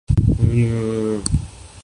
یہ مابعد الطبیعیات کی باتیں ہیں۔